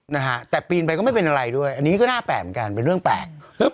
นะฮะแต่ปีนไปก็ไม่เป็นอะไรด้วยอันนี้ก็น่าแปลกเหมือนกันเป็นเรื่องแปลก